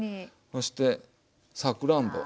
そしてさくらんぼ。